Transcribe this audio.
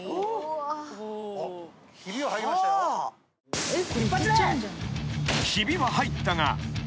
［ひびは入ったが］